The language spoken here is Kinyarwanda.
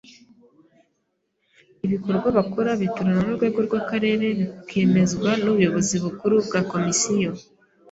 Ibikorwa bakora, bitoranwa n’Urwego rw’Akarere bikemezwa n’ubuyobozi bukuru bwa Komisiyo